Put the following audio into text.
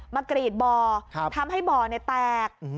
กรีดบ่อทำให้บ่อแตก